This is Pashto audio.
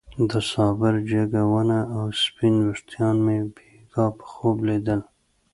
د صابر جګه ونه او سپين ويښتان مې بېګاه په خوب ليدل.